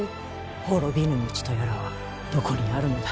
滅びぬ道とやらはどこにあるのだ。